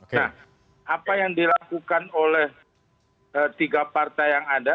nah apa yang dilakukan oleh tiga partai yang ada